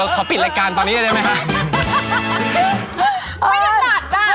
ขอปิดรายการตอนนี้ได้ไหมฮะ